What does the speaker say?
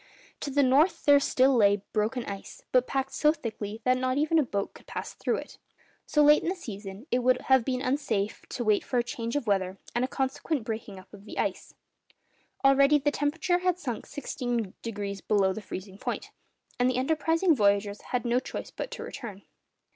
To the north there still lay broken ice, but packed so thickly that not even a boat could pass through it. So late in the season, it would have been unsafe to wait for a change of weather and a consequent breaking up of the ice. Already the temperature had sunk sixteen degrees below the freezing point; and the enterprising voyagers had no choice but to return.